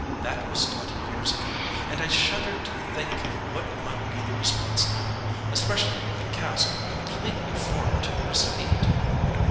That was twenty years ago, and I shudder to think what might be the response now; especially if the 'cast were completely foreign to the recipient."